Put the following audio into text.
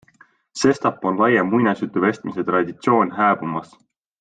Sestap on laiem muinasjutuvestmise traditsioon hääbumas.